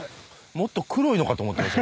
もっと黒いのかと思ってました。